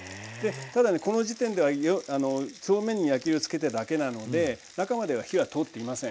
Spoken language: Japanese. ただねこの時点では表面に焼き色つけただけなので中までは火は通っていません。